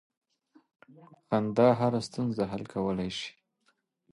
• خندا هره ستونزه حل کولی شي.